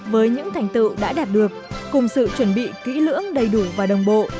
với những thành tựu đã đạt được cùng sự chuẩn bị kỹ lưỡng đầy đủ và đồng bộ